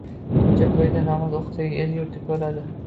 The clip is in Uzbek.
Ko‘cha-ko‘yda namoz o‘qisa — el-yurt ko‘radi.